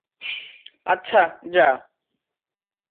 আচ্ছা, যা!